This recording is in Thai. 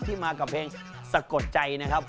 มากับเพลงสะกดใจนะครับ